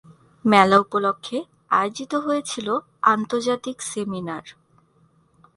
মেলা উপলক্ষে আয়োজিত হয়েছিলো আন্তর্জাতিক সেমিনার।